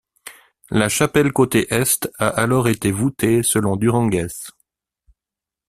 La chapelle côté est a alors été voûtée, selon Durengues.